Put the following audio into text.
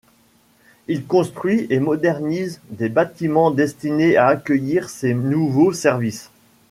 Il construit et modernise des bâtiments destinés à accueillir ces nouveaux services.